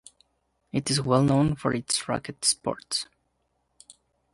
It is well known for its racket sports.